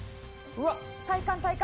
体幹体幹。